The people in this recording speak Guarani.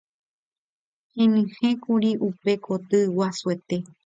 Henyhẽkuri upe koty guasuete.